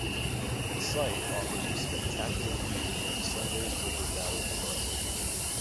The site offers a spectacular view of the Sundays River Valley below.